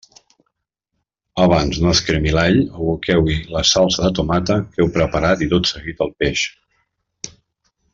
Abans no es cremi l'all, aboqueu-hi la salsa de tomata que heu preparat i tot seguit el peix.